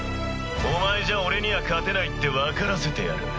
お前じゃ俺には勝てないって分からせてやる。